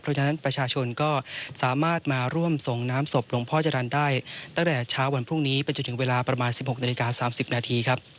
เพราะฉะนั้นประชาชนก็สามารถมาร่วมส่งน้ำศพหลวงพ่อจรรย์ได้ตั้งแต่เช้าวันพรุ่งนี้ไปจนถึงเวลาประมาณ๑๖นาฬิกา๓๐นาทีครับ